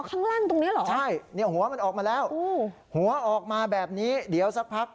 ข้างล่างตรงเนี้ยเหรอใช่เนี่ยหัวมันออกมาแล้วหัวออกมาแบบนี้เดี๋ยวสักพัก